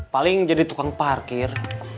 paling jadi tukang parkir